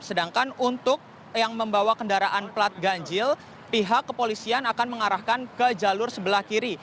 sedangkan untuk yang membawa kendaraan plat ganjil pihak kepolisian akan mengarahkan ke jalur sebelah kiri